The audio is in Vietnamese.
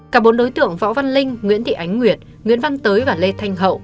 cả bốn đối tượng võ văn linh nguyễn thị ánh nguyệt nguyễn văn tới và lê thanh hậu